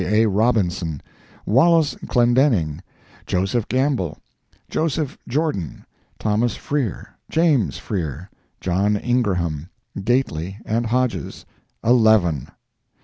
A. Robinson, Wallace Clendening, Joseph Gamble, Joseph Jordan, Thomas Freer, James Freer, John Ingraham, Gately and Hodges—eleven.